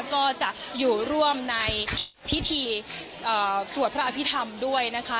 ก็จะอยู่ร่วมในพิธีสวดพระอภิษฐรรมด้วยนะคะ